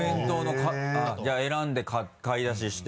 じゃあ選んで買い出しして。